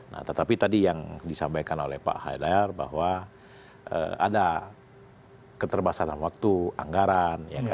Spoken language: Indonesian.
nah tetapi tadi yang disampaikan oleh pak haidar bahwa ada keterbatasan waktu anggaran